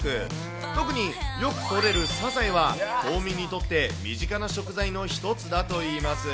特によくとれるサザエは冬眠にとって身近な食材の一つだといいます。